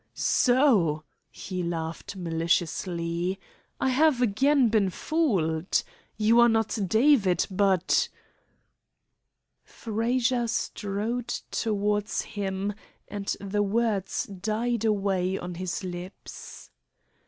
"So," he laughed maliciously, "I have again been fooled. You are not David, but " Frazer strode towards him, and the words died away on his lips.